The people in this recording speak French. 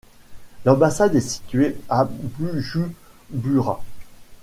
L'ambassade est située à Bujumbura.